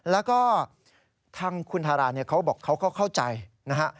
แล้วก็ทางคุณทาราเนี่ยเขาบอกเขาก็เข้าใจนะฮะ